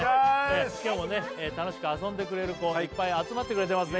今日もね楽しく遊んでくれる子いっぱい集まってくれてますね